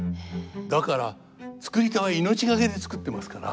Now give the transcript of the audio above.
だから作り手は命懸けで作ってますから。